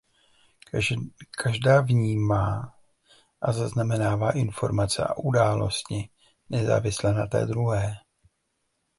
Každá vnímá a zaznamenává informace a události nezávisle na té druhé.